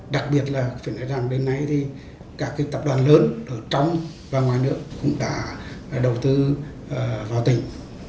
đặc biệt là đến nay thì cả tập đoàn lớn ở trong và ngoài nước cũng đã đầu tư vào tỉnh